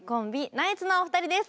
ナイツのお二人です。